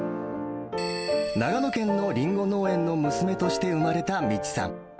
長野県のリンゴ農園の娘として生まれた道さん。